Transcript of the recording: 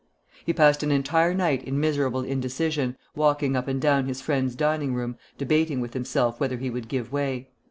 He passed an entire night in miserable indecision, walking up and down his friend's dining room, debating with himself whether he would give way.